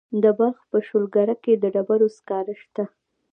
د بلخ په شولګره کې د ډبرو سکاره شته.